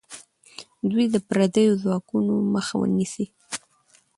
دوی د پردیو ځواکونو مخه نیسي.